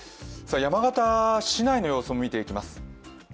山形市内の様子を見ていきます。